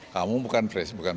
kamu bukan presiden kan